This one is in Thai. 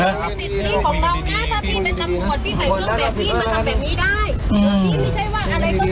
มันเป็นสิทธิ์ที่ของเรานะถ้าพี่เป็นสัมหวัดพี่ใส่เครื่องแบบพี่